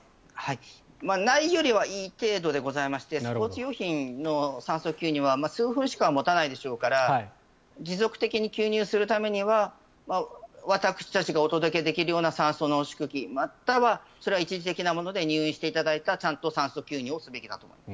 ないよりはいい程度でございましてスポーツ用品の酸素吸入は数分しか持たないでしょうから持続的に吸入するためには私たちがお届けできるような酸素濃縮器、またはそれは一時的なもので入院していただいてちゃんと酸素吸入していただくべきだと思います。